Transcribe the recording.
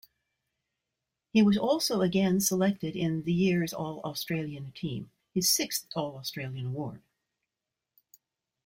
He was also again selected in the year's All-Australian Team, his sixth All-Australian award.